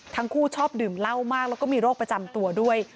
ชอบดื่มเหล้ามากแล้วก็มีโรคประจำตัวด้วย